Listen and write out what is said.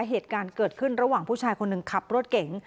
เหตุการณ์เกิดขึ้นระหว่างผู้ชายคนหนึ่งขับรถเก๋ง